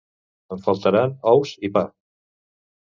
Em faltaran ous i pa